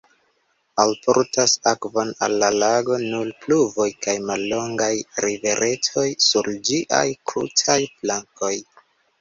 Alportas akvon al la lago nur pluvoj kaj mallongaj riveretoj sur ĝiaj krutaj flankoj.